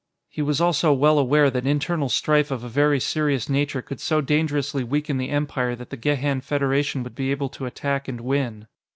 He was also well aware that internal strife of a very serious nature could so dangerously weaken the Empire that the Gehan Federation would be able to attack and win.